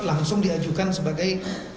langsung diajukan sebagai